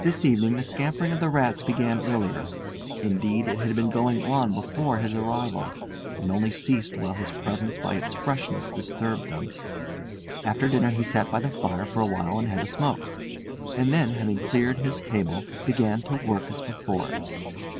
This evening the scampering of the rats began earlier; indeed it had been going on before his arrival, and only ceased whilst his presence by its freshness disturbed them. After dinner he sat by the fire for a while and had a smoke; and then, having cleared his table, began to work as before.